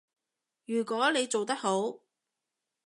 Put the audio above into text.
如果你做得好